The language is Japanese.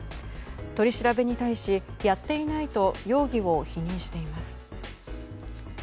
取り調べに対し、やっていないと容疑を否認しています。